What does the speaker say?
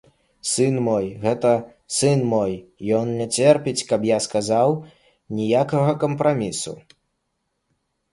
Сын мой, гэты сын мой, ён не церпіць, я б сказаў, ніякага кампрамісу.